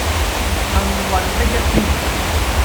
幸運的一天